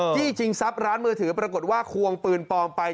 จี้ชิงสับร้านมือถือปรากฏว่าครั้งควังปืนปลอมไป